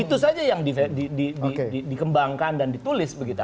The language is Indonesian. itu saja yang dikembangkan dan ditulis begitu